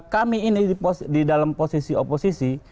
kami ini di dalam posisi oposisi